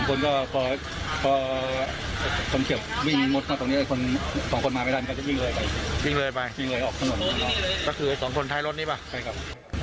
ก็คือสองคนท้ายรถนี่ป่ะใช่ครับ